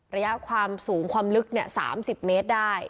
ระยะความสูงความลึก๓๐เมตรได้